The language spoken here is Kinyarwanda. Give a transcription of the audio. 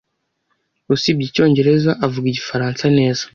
Usibye Icyongereza, avuga Igifaransa neza.